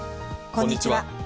こんにちは。